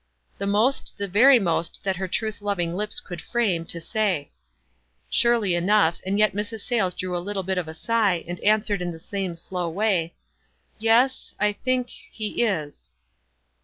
The most, the very most, that her truth lov ing lips could frame, to say. Surely enough, and yet Mrs. Sayles drew a little bit of a sigh, and answered, in the same slow way, — "Yes — I think — he is."